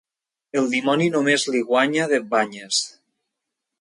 El dimoni només li guanya de banyes.